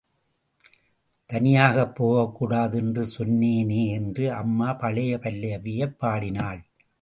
தனியாகப் போகக் கூடாது என்று சொன்னேனே என்று அம்மா பழைய பல்லவியைப் பாடினாள்.